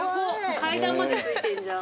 階段までついてんじゃん。